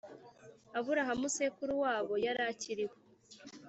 Aburahamu sekuru wabo yari akiriho